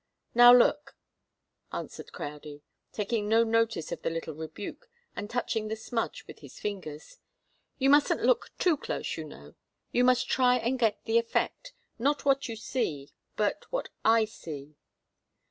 "Now look," answered Crowdie, taking no notice of the little rebuke, and touching the smudge with his fingers. "You mustn't look too close, you know. You must try and get the effect not what you see, but what I see."